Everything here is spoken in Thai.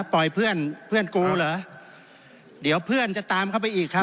ปล่อยเพื่อนเพื่อนกูเหรอเดี๋ยวเพื่อนจะตามเข้าไปอีกครับ